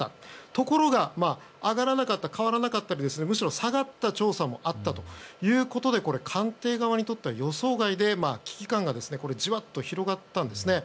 ところが、上がらなかった変わらなかったでむしろ下がった調査もあったということでこれは官邸側にとっては予想外で危機感がじわっと広がったんですね。